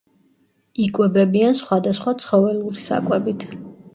იკვებებიან სხვადასხვა ცხოველური საკვებით.